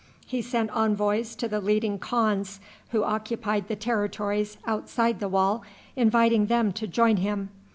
He sent envoys to the leading khans who occupied the territories outside the wall inviting them to join him.